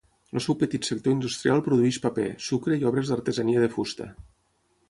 El seu petit sector industrial produeix paper, sucre i obres d'artesania de fusta.